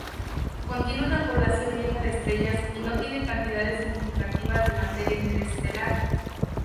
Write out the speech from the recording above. Contiene una población vieja de estrellas y no tiene cantidades significativas de materia interestelar.